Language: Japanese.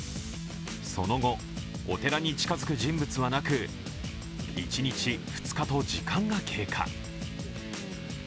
その後、お寺に近づく人物はなく、１日、２日と時間が経過。